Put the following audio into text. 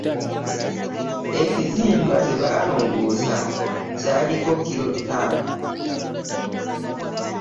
Ekizimba kye baalongoosa kyaliko kkiro ttaano.